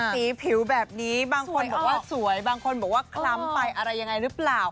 สีผิวแบบนี้บางคนบอกว่าสวยบางคนบอกว่าคล้ำไปอะไรยังไงหรือเปล่า